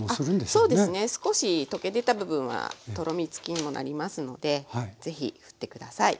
そうですね少し溶け出た部分はとろみつきにもなりますので是非ふって下さい。